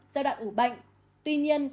giai đoạn ủ bệnh tuy nhiên